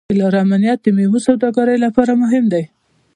د لارو امنیت د میوو د سوداګرۍ لپاره مهم دی.